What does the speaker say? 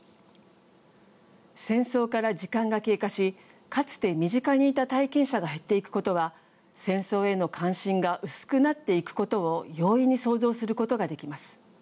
戦争から時間が経過しかつて身近にいた体験者が減っていくことは戦争への関心が薄くなっていくことを容易に想像することができます。